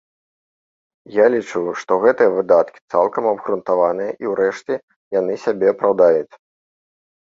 Я лічу, што гэтыя выдаткі цалкам абгрунтаваныя і ўрэшце яны сябе апраўдаюць.